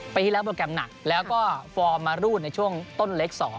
ปีที่แล้วโปรแกรมหนักแล้วก็ฟอร์มมารูดในช่วงต้นเล็ก๒